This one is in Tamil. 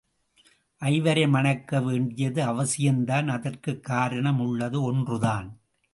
ஐவரை மணக்க வேண்டியது அவசியம்தான் அதற்குக் காரணம் உள்ளது என்றான்.